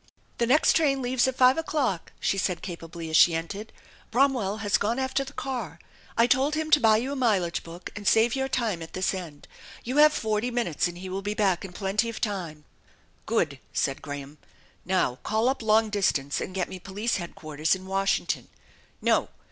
" The next train leaves at five o'clock," she said capably, as she entered. " Bromwell has gone after the car. I told him to buy you a mileage book and save your time at this snd. You have forty minutes and he will be back in plenty of time." " Good !" said Graham. " Now call up long distance and get me Police Headquarters in Washington. No!